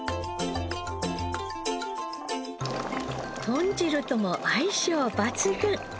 豚汁とも相性抜群。